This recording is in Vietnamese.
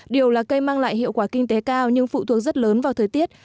điều là cây mang lại hiệu quả kinh tế cao nhưng phụ thuộc rất lớn vào thời tiết